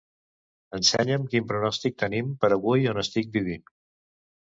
Ensenya'm quin pronòstic tenim per avui on estic vivint.